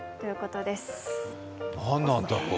何なんだろう？